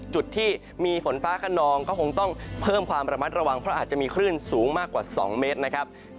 จุดที่มีฝนฟ้าขนองก็คงต้องเพิ่มความระมัดระวังเพราะอาจจะมีคลื่นสูงมากกว่า๒เมตรนะครับ